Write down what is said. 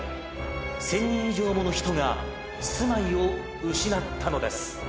１，０００人以上もの人が住まいを失ったのです。